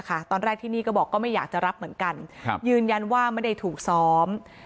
ตอนแรกที่นี่ก็บอกก็ไม่อยากจะรับเหมือนกันยืนยันว่าไม่ได้ถูกซ้อม